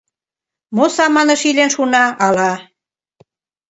Мо саманыш илен шуна, ала?..